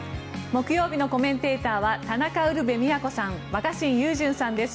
木曜日のコメンテーターは田中ウルヴェ京さん若新雄純さんです。